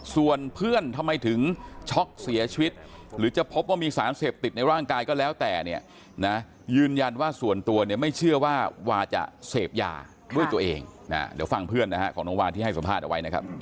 ส่วนเพื่อนทำไมถึงช็อกเสียชีวิตหรือจะพบว่ามีสารเสพติดในร่างกายก็แล้วแต่เนี่ยนะยืนยันว่าส่วนตัวเนี่ยไม่เชื่อว่าวาจะเสพยาด้วยตัวเองเดี๋ยวฟังเพื่อนนะฮะของน้องวาที่ให้สัมภาษณ์เอาไว้นะครับ